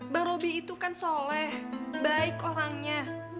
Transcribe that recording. bang roby itu kan soleh baik orangnya